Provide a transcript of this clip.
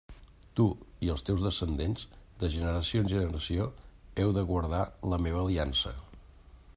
Tu i els teus descendents, de generació en generació, heu de guardar la meva aliança.